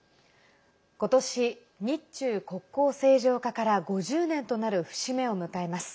ことし、日中国交正常化から５０年となる節目を迎えます。